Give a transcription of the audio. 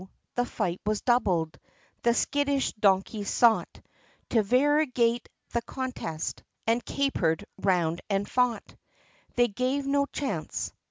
the fight was doubled, the skittish donkeys sought, To variegate the contest, and capered round, and fought; They gave no chance.